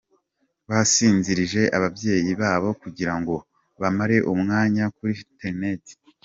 Basinzirije ababyeyi babo kugira ngo bamare umwanya kuri ‘interinete’